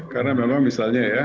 karena memang misalnya ya